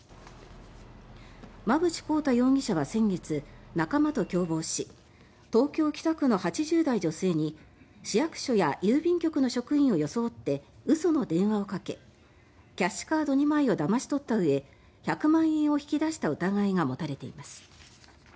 馬渕晃汰容疑者は先月仲間と共謀し東京・北区の８０代女性に市役所や郵便局の職員を装って嘘の電話をかけキャッシュカード２枚をだまし取ったうえ１００万円を引き出した疑いが持たれています。